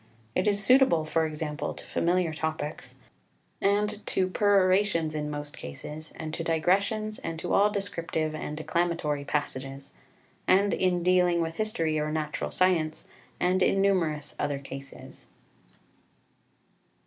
It is suitable, for example, to familiar topics, and to perorations in most cases, and to digressions, and to all descriptive and declamatory passages, and in dealing with history or natural science, and in numerous other cases.